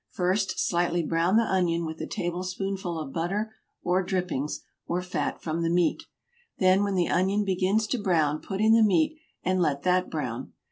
First slightly brown the onion with a tablespoonful of butter or drippings or fat from the meat; then when the onion begins to brown put in the meat and let that brown.